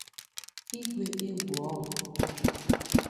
Igwe Egwuọnwụ